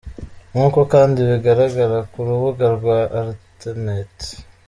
Nk’uko kandi bigaragara ku rubuga rwa alternet.